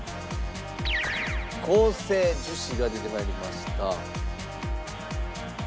合成樹脂が出て参りました。